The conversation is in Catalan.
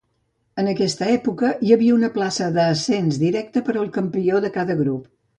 En aquesta època, hi havia una plaça d'ascens directa per al campió de cada grup.